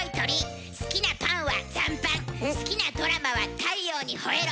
好きなパンは残飯好きなドラマは『太陽にほえろ』。